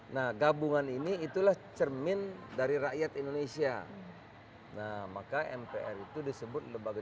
nah gabungan ini itulah cermin dari rakyat indonesia nah maka mpr itu disebut lembaga